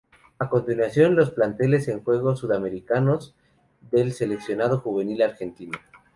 A continuación, los planteles en Juegos Suramericanos del seleccionado juvenil argentino.